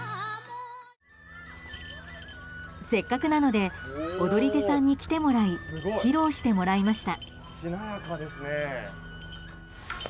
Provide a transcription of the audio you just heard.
せっかくなので踊り手さんに来てもらい披露してもらいました。